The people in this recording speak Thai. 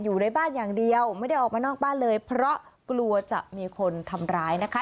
อยู่ในบ้านอย่างเดียวไม่ได้ออกมานอกบ้านเลยเพราะกลัวจะมีคนทำร้ายนะคะ